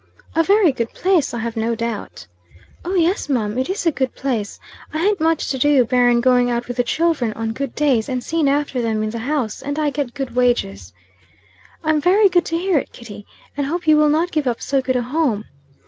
"A very good place, I have no doubt." "Oh, yes, mum. It is a good place. I hain't much to do, barrin' going out with the children on good days, and seein' after them in the house; and I get good wages." "I'm very glad to hear it, Kitty; and hope you will not give up so good a home."